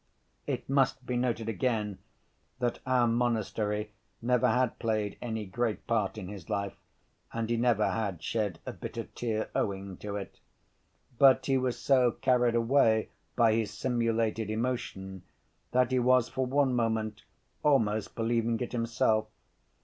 It must be noted again that our monastery never had played any great part in his life, and he never had shed a bitter tear owing to it. But he was so carried away by his simulated emotion, that he was for one moment almost believing it himself.